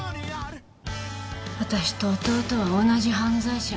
私と弟は同じ犯罪者